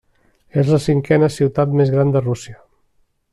És la cinquena ciutat més gran de Rússia.